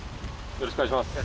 よろしくお願いします。